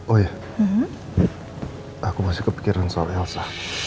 oh ya aku masih kepikiran soal elsa